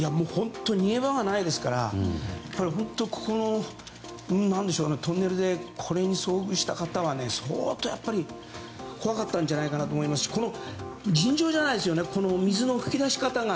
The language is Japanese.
逃げ場がないですからここのトンネルでこれに遭遇した方は相当、怖かったんじゃないかと思いますし尋常じゃないですよね水の噴き出し方が。